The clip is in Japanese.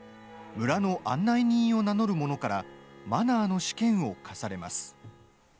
村の案内人を名乗る者からマナーの試験を課されます。